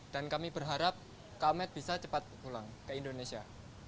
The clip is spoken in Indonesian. dan kami berharap komed bisa cepat pulang ke indonesia